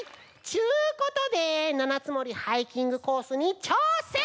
ちゅうことで七ツ森ハイキングコースにちょうせん！